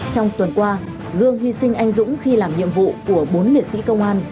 trong tuần qua gương hy sinh anh dũng khi làm nhiệm vụ của bốn liệt sĩ công an